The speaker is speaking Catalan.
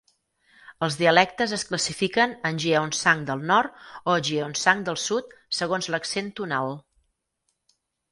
Els dialectes es classifiquen en Gyeongsang del nord o Gyeongsang del sud segons l'accent tonal.